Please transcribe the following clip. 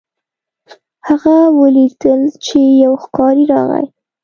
هغه ولیدل چې یو ښکاري راغی.